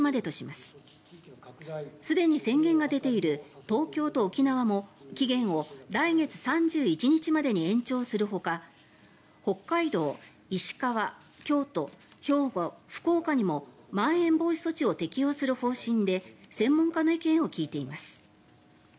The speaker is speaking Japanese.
すでに宣言が出ている東京と沖縄も期限を来月３１日までに延長するほか北海道、石川、京都、兵庫福岡にもまん延防止措置を適用する方針で専門家の意見を聞いています。